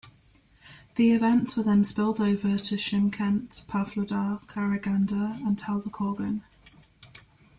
The events were then spilled over to Shymkent, Pavlodar, Karaganda and Taldykorgan.